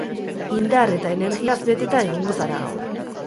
Indar eta energiaz beteta egongo zara gaur.